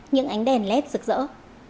những ánh đèn lét rực rỡ